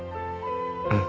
うん。